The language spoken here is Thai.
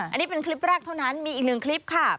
อันนี้เป็นคลิปแรกเท่านั้นมีอีกหนึ่งคลิปค่ะ